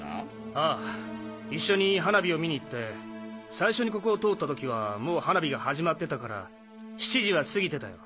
あぁ一緒に花火を見に行って最初にここを通った時はもう花火が始まってたから７時は過ぎてたよ。